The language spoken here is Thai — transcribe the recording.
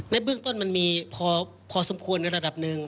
เบื้องต้นมันมีพอสมควรในระดับหนึ่ง